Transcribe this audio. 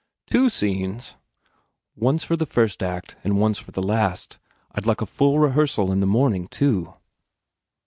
"Two scenes?" "One s for the first act and one s for the last. I d like a full rehearsal in the morning, too."